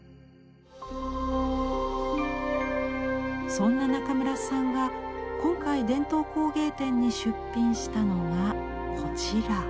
そんな中村さんが今回伝統工芸展に出品したのがこちら。